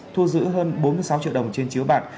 thu giữ hơn bốn mươi sáu triệu đồng trên chiếu bạc